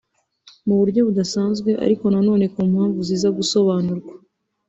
Mu buryo budasanzwe ariko nanone ku mpamvu ziza gusobanurwa